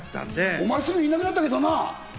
お前、すぐいなくなったけどな！